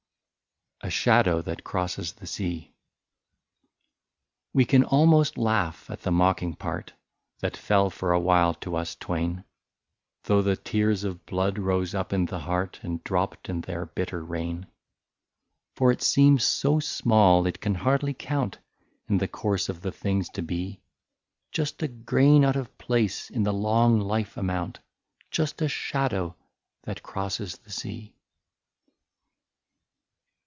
33 A SHADOW THAT CROSSES THE SEA. We can almost laugh, at the mocking part, That fell for a while to us twain, Though the tears of blood rose up in the heart, And dropped in their bitter rain ; For it seems so small it can hardly count, In the course of the things to be,^ — Just a grain out of place in the long life amount, Just a shadow that crosses the sea.